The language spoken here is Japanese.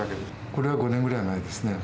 これは５年ぐらい前ですね。